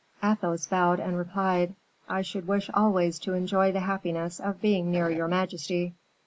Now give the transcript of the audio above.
Athos bowed and replied, "I should wish always to enjoy the happiness of being near your majesty."